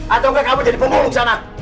atau enggak kamu jadi pemulung sana